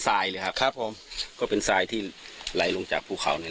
รายเลยครับครับผมก็เป็นทรายที่ไหลลงจากภูเขาเนี่ย